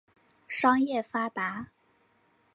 商业发达。